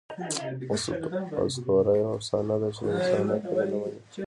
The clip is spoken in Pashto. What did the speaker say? آسطوره یوه افسانه ده، چي د انسان عقل ئې نه مني.